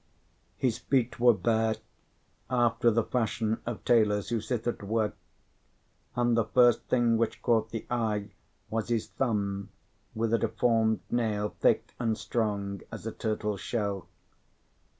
His feet were bare, after the fashion of tailors who sit at work; and the first thing which caught the eye was his thumb, with a deformed nail thick and strong as a turtle's shell.